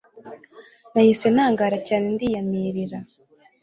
Nahise ntangara cyane ndiyamirira